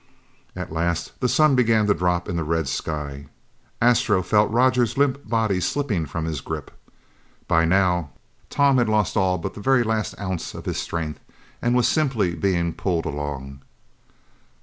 At last the sun began to drop in the red sky. Astro felt Roger's limp body slipping from his grip. By now, Tom had lost all but the very last ounce of his strength and was simply being pulled along.